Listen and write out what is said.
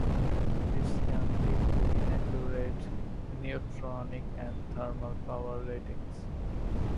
This can lead to inaccurate neutronic and thermal power ratings.